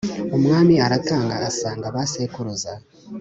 Umwami aratanga asanga ba sekuruza